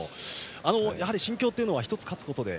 やはり心境は１つ勝つことで